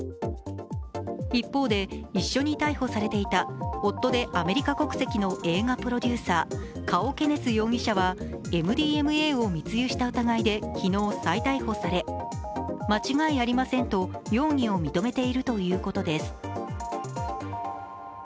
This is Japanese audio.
一方で一緒に逮捕されていた夫でアメリカ国籍の映画プロデューサー、カオ・ケネス容疑者はＭＤＭＡを密輸した疑いで昨日、再逮捕され、間違いありませんと容疑を認めているということです。